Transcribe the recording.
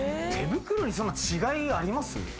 手袋に、そんな違いあります？